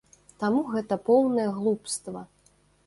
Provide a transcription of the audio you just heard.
Таму гэта поўнае глупства.